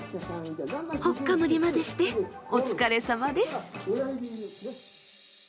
ほっかむりまでしてお疲れさまです。